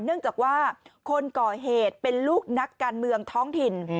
เนื่องจากว่าคนก่อเหตุเป็นลูกนักการเมืองท้องถิ่น